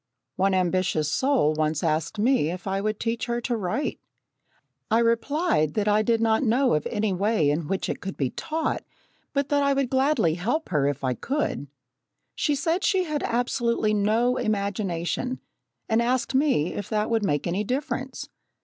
One ambitious soul once asked me if I would teach her to write. I replied that I did not know of any way in which it could be taught, but that I would gladly help her if I could. She said she had absolutely no imagination, and asked me if that would make any difference.